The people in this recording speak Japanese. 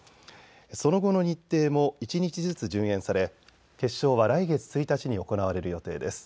その後の日程も一日ずつ順延され決勝は来月１日に行われる予定です。